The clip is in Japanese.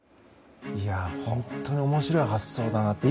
本当に面白い発想だなと。